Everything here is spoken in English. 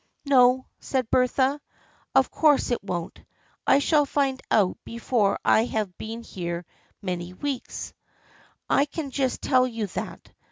"" No," said Bertha ;" of course it won't ! I shall find out before I have been here many weeks. I can just tell you that.